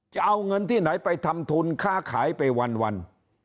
จะเอาเงินที่ไหนไปทำทุนค้าขายไปวัน